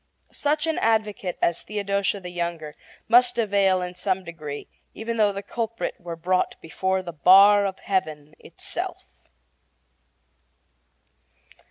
Such an advocate as Theodosia the younger must avail in some degree, even though the culprit were brought before the bar of Heaven itself.